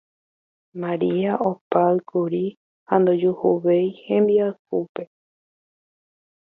Maria opáykuri ha ndojuhuvéi hembiayhúpe